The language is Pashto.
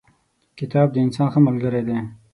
کتاب د انسان ښه ملګری دی.